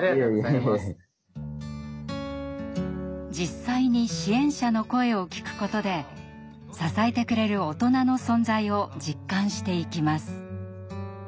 実際に支援者の声を聞くことで支えてくれる大人の存在を実感していきます。